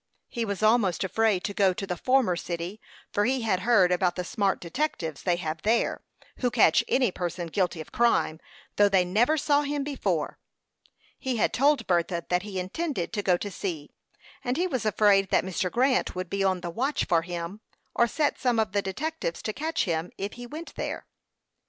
He was almost afraid to go to the former city, for he had heard about the smart detectives they have there, who catch any person guilty of crime, though they never saw him before. He had told Bertha that he intended to go to sea; and he was afraid that Mr. Grant would be on the watch for him, or set some of these detectives to catch him, if he went there.